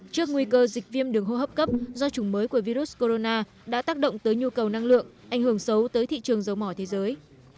trước nguy cơ dịch viêm đường hô hấp cấp do chủng mới của virus corona đã tác động tới nhu cầu năng lượng ảnh hưởng xấu tới thị trường dầu mỏ thế giới